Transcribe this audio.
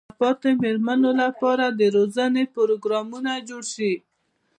د شاته پاتې مېرمنو لپاره د روزنې پروګرامونه جوړ شي.